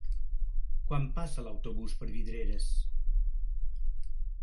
Quan passa l'autobús per Vidreres?